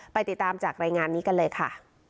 ติดตามจากรายงานนี้กันเลยค่ะ